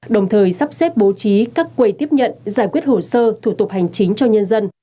đồng thời sắp xếp bố trí các quầy tiếp nhận giải quyết hồ sơ thủ tục hành chính cho nhân dân